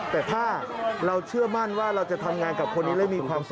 แต่ถ้าเราเชื่อมั่นว่าเราจะทำงานกับคนนี้ได้มีความสุข